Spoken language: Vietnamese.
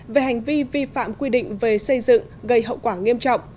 về hành vi vi phạm quy định về xây dựng gây hậu quả nghiêm trọng